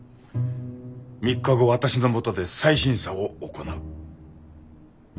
３日後私のもとで再審査を行う。